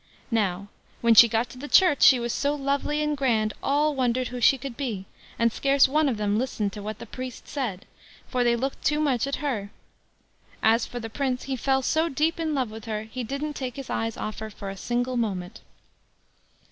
Now, when she got to the church she was so lovely and grand, all wondered who she could be, and scarce one of them listened to what the priest said, for they looked too much at her. As for the Prince, he fell so deep in love with her, he didn't take his eyes off her for a single moment.